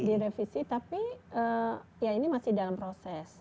direvisi tapi ya ini masih dalam proses